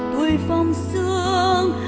tuổi phong sương